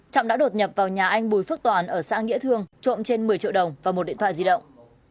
trọng đã đột nhập vào nhà anh bùi phước toàn ở xã nghĩa thương trộm trên một mươi triệu đồng và một điện thoại di động